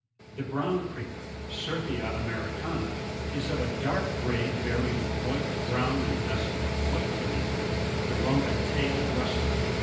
The Brown Creeper, — Certhia americana, — is of a dark gray varied with white, brown and dusky ; white beneath ; the lump and tail rusty.